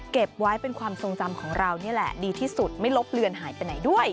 เก็บไว้เป็นความทรงจำของเรานี่แหละดีที่สุดไม่ลบเลือนหายไปไหนด้วย